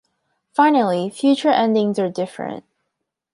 Finally, future endings are different.